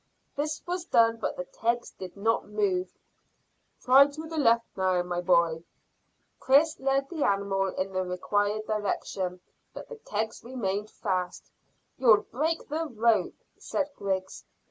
This was done, but the kegs did not move. "Try to the left now, my boy." Chris led the animal in the required direction, but the kegs remained fast. "You'll break the rope," said Griggs.